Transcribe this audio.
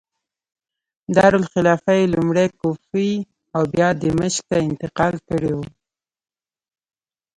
دارالخلافه یې لومړی کوفې او بیا دمشق ته انتقال کړې وه.